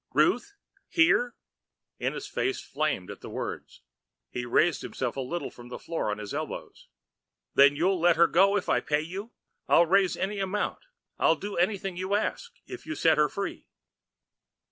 "Ruth here?" Ennis' face flamed at the words, and he raised himself a little from the floor on his elbows. "Then you'll let her go if I pay you? I'll raise any amount, I'll do anything you ask, if you'll set her free."